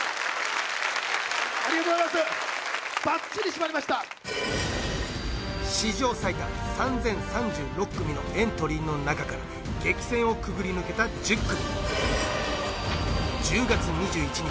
ありがとうございますバッチリ締まりました史上最多３０３６組のエントリーの中から激戦をくぐり抜けた１０組１０月２１日